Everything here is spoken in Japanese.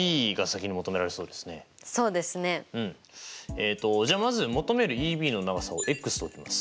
えっとじゃあまず求めるＥＢの長さをｘと置きます。